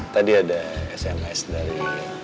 tadi ada sms dari